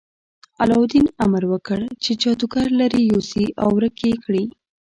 علاوالدین امر وکړ چې جادوګر لرې یوسي او ورک یې کړي.